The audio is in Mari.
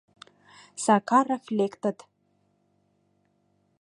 Сакаров лектыт.